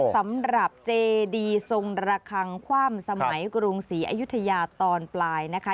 สำหรับเจดีทรงระคังคว่ำสมัยกรุงศรีอยุธยาตอนปลายนะคะ